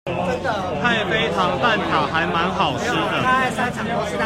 太妃糖蛋塔還滿好吃的